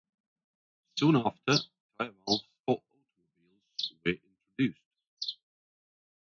Soon after, tire valves for automobiles were introduced.